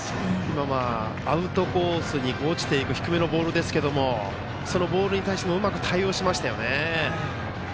アウトコースに落ちていく低めのボールですけどもそのボールに対してもうまく対応しましたね。